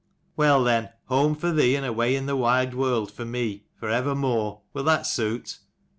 "Well then, home for thee, and away in the wide world for me, for evermore. Will that suit?"